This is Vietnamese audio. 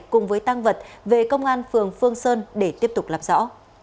cùng với tăng vật về công an phường phương sơn để tiếp tục làm rõ